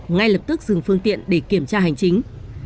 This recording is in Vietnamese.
ngay lập tức dừng phương tiện để kiểm tra hành chính